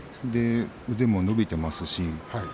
腕も伸びています。